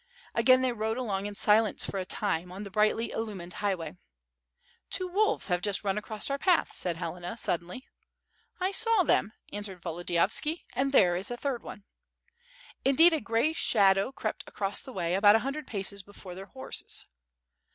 Again they rode along in silence for a time, on the brightly illumined highway. "Two wolves have just run across our path," said Helena, suddenly. "I saw them," answered Volodiyovski, "and there is the third one." Indeed, a gray shadow crept across the way, about a hun dred paces before their horses.